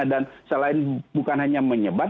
dan selain bukan hanya menyebabkan